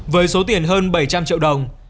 với số tiền hơn bảy trăm linh triệu đồng